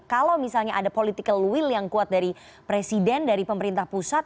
kalau misalnya ada political will yang kuat dari presiden dari pemerintah pusat